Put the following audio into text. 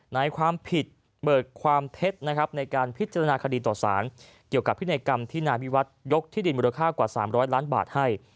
นายความผิดเปิดเทสในการพิจารณาคคดีตัวสารเกี่ยวกับพินิกรรมที่นายวิวัฒน์ยกที่ดินหมดค่ากว่า๓๐๐ล้านบาทให้